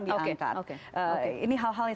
diangkat ini hal hal yang